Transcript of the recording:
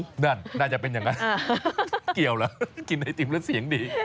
นั่นน่าจะเป็นอย่างนั้นเกี่ยวเหรอกินไอติมแล้วเสียงดี